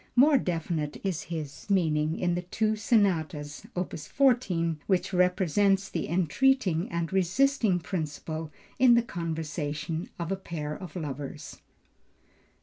More definite is his meaning in the two Sonatas (opus 14), which represents the entreating and resisting principle in the conversation of a pair of lovers.